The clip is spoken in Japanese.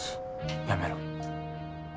やめろ。